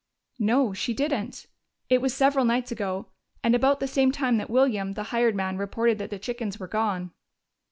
"No, she didn't. It was several nights ago, and about the same time that William, the hired man, reported that the chickens were gone."